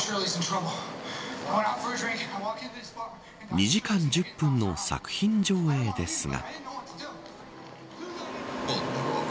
２時間１０分の作品上映ですが。